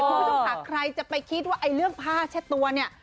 คุณผู้ชมค่ะใครจะไปคิดว่าไอ้เรื่องผ้าเช็ดตัวเนี่ย